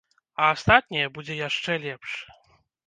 А астатняе будзе яшчэ лепш!